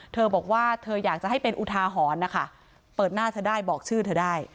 เธอบอกว่าเธออยากจะให้เป็นอุทาหรณ์นะคะเปิดหน้าเธอได้บอกชื่อเธอได้